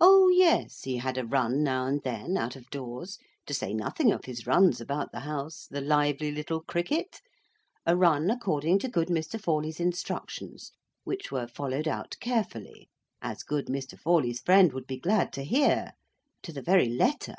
O, yes, he had a run now and then, out of doors (to say nothing of his runs about the house), the lively little cricket—a run according to good Mr. Forley's instructions, which were followed out carefully, as good Mr. Forley's friend would be glad to hear, to the very letter.